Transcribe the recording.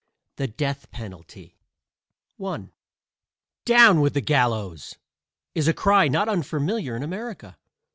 THE DEATH PENALTY I "Down with the gallows!" is a cry not unfamiliar in America.